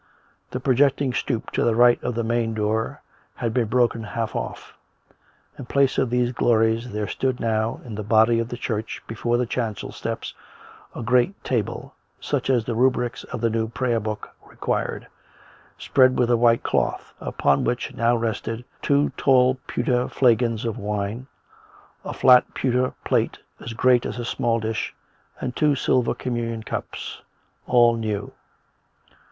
The projecting stoup to the right of the main door had been broken half off. ... In place of these glories there stood now, in the body of the church, before the chancel steps, a great table, such as the rubrics of the new Prayer Book required, spread with a white cloth, upon which now rested two tall pewter flagons of wine, a flat pewter plate as great as a small dish, and two silver communion cups — all new.